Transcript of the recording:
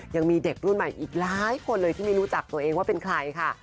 ยังมีเด็กรุ่นใหม่อีกหลายคนเลยที่ไม่รู้จักตัวเองว่าเป็นใครค่ะ